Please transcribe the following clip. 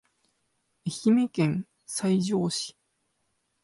愛媛県西条市